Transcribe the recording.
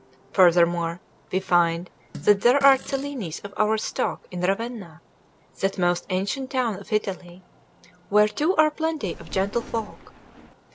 Furthermore, we find that there are Cellinis of our stock in Ravenna, that most ancient town of Italy, where too are plenty of gentle folk.